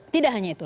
tidak hanya itu